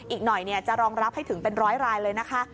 อีกหน่อยจะรองรับให้ถึงเป็นร้อยรายเลยนะคะ